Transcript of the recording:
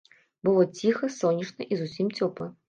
Было ціха, сонечна і зусім цёпла.